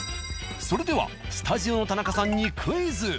それではスタジオの田中さんにクイズ。